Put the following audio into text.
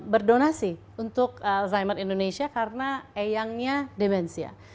berdonasi untuk alzheimer indonesia karena eyangnya demensia